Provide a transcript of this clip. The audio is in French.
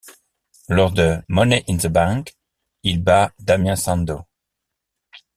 Lors de Money in the Bank, il bat Damien Sandow.